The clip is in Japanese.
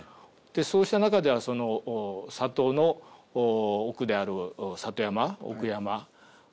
そうした中では里の奥である里山。